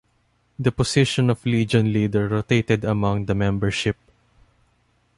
The position of Legion leader rotated among the membership.